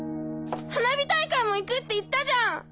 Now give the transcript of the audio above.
花火大会も行くって言ったじゃん！